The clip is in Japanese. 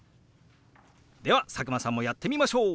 では佐久間さんもやってみましょう！